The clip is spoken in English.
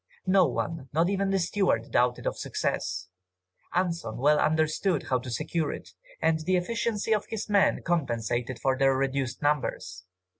No one, not even the steward, doubted of success! Anson well understood how to secure it, and the efficiency of his men compensated for their reduced numbers.